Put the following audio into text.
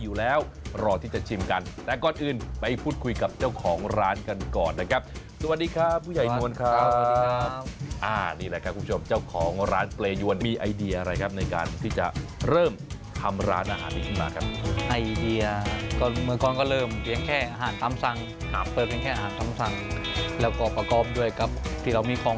มันกลายเป้าหมายมากกว่าที่มีความรู้สึกว่ามันกลายเป้าหมายมากกว่าที่มีความรู้สึกว่ามันกลายเป้าหมายมากกว่าที่มีความรู้สึกว่ามันกลายเป้าหมายมากกว่าที่มีความรู้สึกว่ามันกลายเป้าหมายมากกว่าที่มีความรู้สึกว่ามันกลายเป้าหมายมากกว่าที่มีความรู้สึกว่ามันกลายเป้าหมายมากกว่าที่มีคว